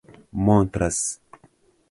montras